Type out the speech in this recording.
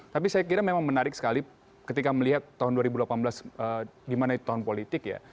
tapi saya kira memang menarik sekali ketika melihat tahun dua ribu delapan belas di mana itu tahun politik ya